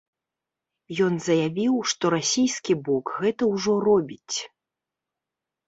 Ён заявіў, што расійскі бок гэта ўжо робіць.